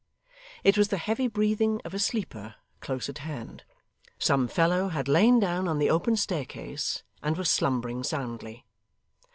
It was the heavy breathing of a sleeper, close at hand. Some fellow had lain down on the open staircase, and was slumbering soundly.